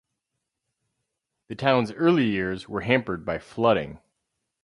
The town's early years were hampered by flooding.